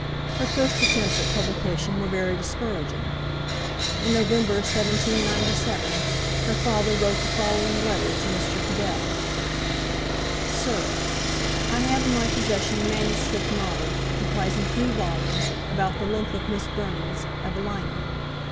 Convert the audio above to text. Her first attempts at publication were very discouraging. In November, 1797, her father wrote the following letter to Mr. Cadell: 'Sir, I have in my possession a manuscript novel, comprising 3 vols., about the length of Miss Burney's "Evelina."